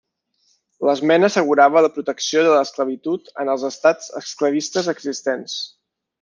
L'esmena assegurava la protecció de l'esclavitud en els estats esclavistes existents.